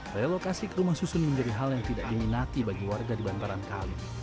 relokasi ke rumah susun menjadi hal yang tidak diminati bagi warga di bantaran kali